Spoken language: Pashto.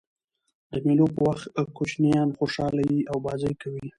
د مېلو په وخت کوچنيان خوشحاله يي او بازۍ کوي.